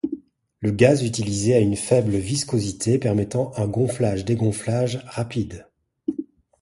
Le gaz utilisé a une faible viscosité, permettant un gonflage-dégonflage rapide.